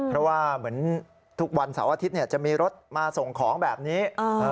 เพราะว่าเหมือนทุกวันเสาร์อาทิตย์จะมีรถมาส่งของแบบนี้